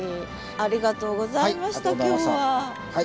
ありがとうございました今日は。